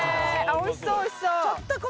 おいしそうおいしそう。